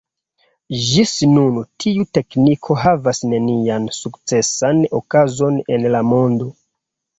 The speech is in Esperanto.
Ĝis nun tiu tekniko havas nenian sukcesan okazon en la mondo.